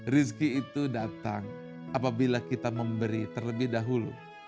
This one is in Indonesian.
rizki itu datang apabila kita memberi terlebih dahulu